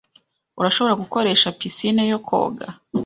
Urashobora gukoresha pisine yo koga.